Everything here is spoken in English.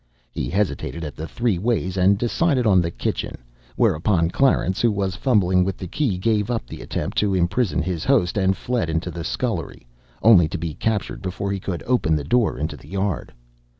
He hesitated at the three ways, and decided on the kitchen. Whereupon Clarence, who was fumbling with the key, gave up the attempt to imprison his host, and fled into the scullery, only to be captured before he could open the door into the yard.